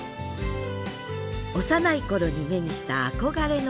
幼い頃に目にした憧れの世界。